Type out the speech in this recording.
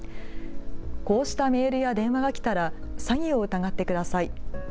こうしたメールや電話が来たら詐欺を疑ってください。